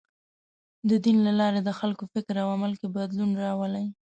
د دین له لارې د خلکو فکر او عمل کې بدلون راولي.